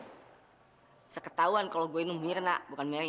bisa ketauan kalau gue ini mirna bukan merry